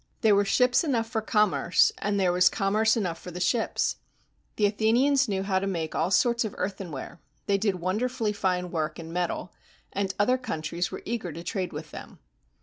There were ships enough for commerce, and there was commerce enough for the ships. The Athenians knew how to make all sorts of earthenware; they did won derfully fine work in metal; and other countries were eager to trade with them.